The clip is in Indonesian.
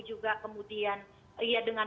juga kemudian ya dengan